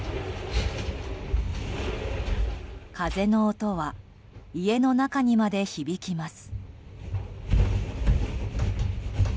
風の音は家の中にまで響きます。